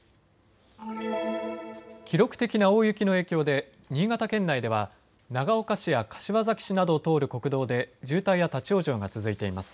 記録的な大雪の影響で新潟県内では長岡市や柏崎市などを通る国道で渋滞や立往生が続いています。